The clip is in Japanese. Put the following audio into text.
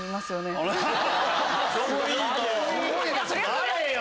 誰よ？